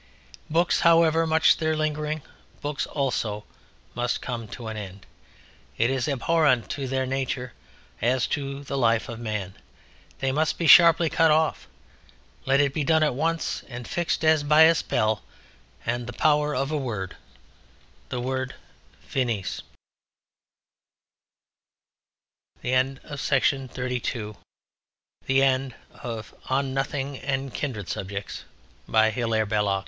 Books, however much their lingering, books also must Come to an End. It is abhorrent to their nature as to the life of man. They must be sharply cut off. Let it be done at once and fixed as by a spell and the power of a Word; the word FINIS End of Project Gutenberg's On Nothing & Kindred Subjects, by Hilaire Belloc END